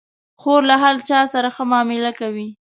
خور له هر چا سره ښه معامله کوي.